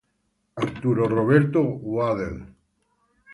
Arthur Robert Waddell'.